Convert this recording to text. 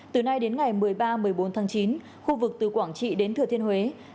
từ nay đến ngày một mươi ba một mươi bốn tháng chín khu vực từ quảng trị đến thừa thiên huế